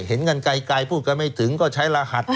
เห็นกันไกลพูดกันไม่ถึงก็ใช้รหัส